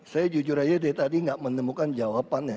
saya jujur saja dari tadi tidak menemukan jawabannya